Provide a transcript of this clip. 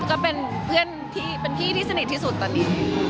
ก็เป็นเพื่อนที่เป็นพี่ที่สนิทที่สุดตอนนี้